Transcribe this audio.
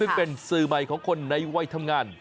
ซึ่งเป็นสื่อใหม่ของคนในวัยทำงาน